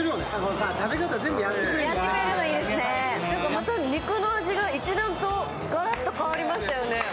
また肉の味がガラッと変わりましたね。